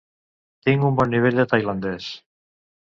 Tinc un bon nivell de tailandès.